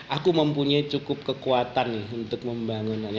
aku mempunyai cukup kekuatan untuk membangun kerajaan ini